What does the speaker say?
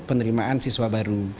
penerimaan siswa baru